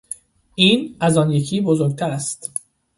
این از آن یکی بزرگتر است.